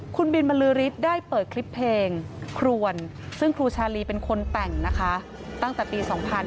คุณบินบรือฤทธิ์ได้เปิดคลิปเพลงครวนซึ่งครูชาลีเป็นคนแต่งนะคะตั้งแต่ปี๒๕๕๙